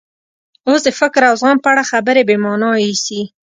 اوس د فکر او زغم په اړه خبره بې مانا ایسي.